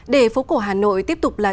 để phố cổ hà nội tiếp tục là